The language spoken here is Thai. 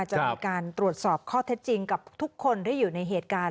จะมีการตรวจสอบข้อเท็จจริงกับทุกคนที่อยู่ในเหตุการณ์